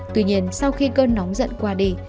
tuy nhiên sau khi cơn nóng giận qua đi